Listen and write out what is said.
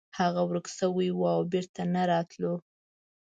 هغه ورک شوی و او بیرته نه راتلو.